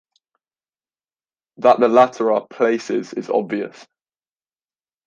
That the latter are 'places' is obvious.